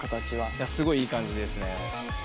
いやすごいいい感じですね。